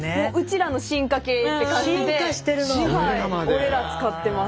「おれら」使ってます。